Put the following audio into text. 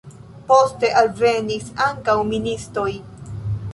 Poste alvenis ankaŭ ministoj.